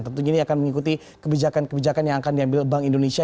tentunya ini akan mengikuti kebijakan kebijakan yang akan diambil bank indonesia